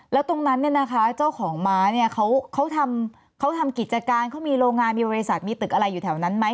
แล้วตรงนั้นเนี่ยนะคะเจ้าของม้าเนี่ยเขาทำกิจการเขามีโรงงานมีบริษัทมีตึกอะไรอยู่แถวนั้นไหม